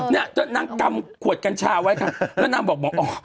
นี่เจ้านั่งทำขวดกัญชาไว้แล้วนางบอก